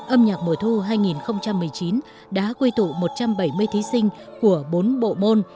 âm nhạc mùa thu hai nghìn một mươi chín đã quy tụ một trăm bảy mươi thí sinh của bốn bộ môn